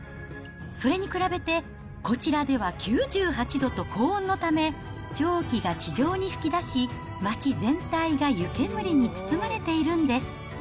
それに比べて、こちらでは９８度と高温のため、蒸気が地上に噴き出し、町全体が湯煙に包まれているんです。